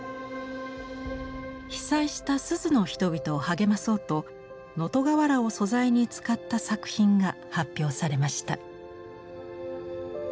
被災した珠洲の人々を励まそうと能登瓦を素材に使った作品が発表されました。